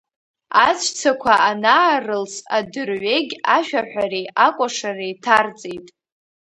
Аҵәцақәа анаарылс, адырҩегь ашәаҳәареи акәашареи ҭарҵеит.